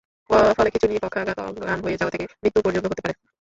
ফলে খিঁচুনি, পক্ষাঘাত, অজ্ঞান হয়ে যাওয়া থেকে মৃত্যু পর্যন্ত হতে পারে।